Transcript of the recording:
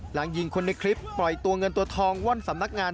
หลังยิงคนในคลิปปล่อยตัวเงินตัวทองว่อนสำนักงาน